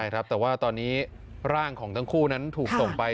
ใช่ครับแต่ว่าตอนนี้ร่างของทั้งคู่นั้นถูกส่งไป